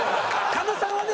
狩野さんはね